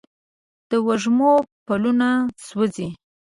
د وږمو پلونه سوزي